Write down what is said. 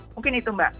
mungkin itu mbak